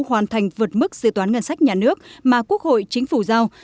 hoàn thành vượt mức dự toán ngân sách nhà nước mà quốc hội chính phủ giao